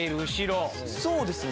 そうですね。